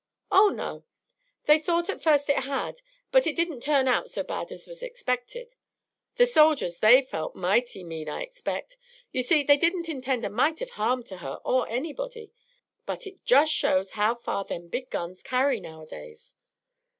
"Oh, no! they thought at first it had, but it didn't turn out so bad as was expected. The soldiers, they felt mighty mean, I expect. You see, they didn't intend a mite of harm to her or anybody; but it just shows how far them big guns carry now a days.